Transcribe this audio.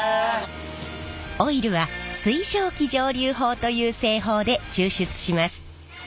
オイルは水蒸気蒸留法という製法で抽出します。